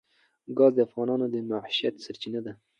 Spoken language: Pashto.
ګاز د افغانانو د معیشت سرچینه ده.